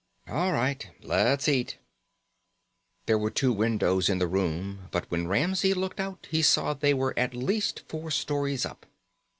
"All right. Let's eat." There were two windows in the room, but when Ramsey looked out he saw they were at least four stories up.